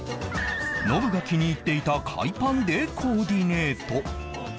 ノブが気に入っていた海パンでコーディネート